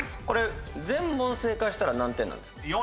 これ全問正解したら何点なんですか？